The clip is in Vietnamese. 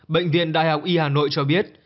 bệnh viện đại học y hà nội cho biết